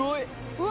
うわ。